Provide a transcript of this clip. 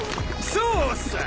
そうさ！